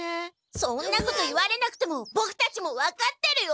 そんなこと言われなくてもボクたちも分かってるよ！